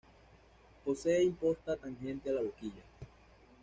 Posee imposta tangente a la boquilla.